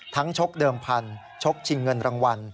ชกเดิมพันธุ์ชกชิงเงินรางวัล